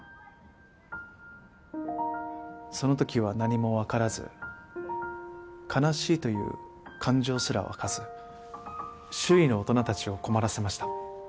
その時は何もわからず悲しいという感情すら湧かず周囲の大人たちを困らせました。